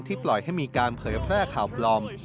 ปล่อยให้มีการเผยแพร่ข่าวปลอม